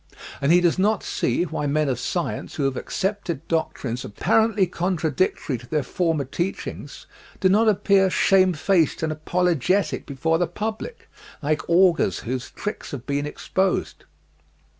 And he does not see why men of science who have accepted doctrines apparently contradictory to their former teachings do not appear shamefaced and apologetic before the public, like augurs whose tricks had been exposed.